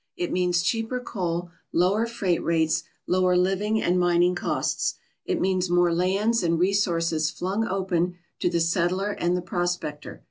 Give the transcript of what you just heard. It means cheaper coal, lower freight rates, lower living and mining costs. It means more lands and resources flung open to ^e settler and the prospector.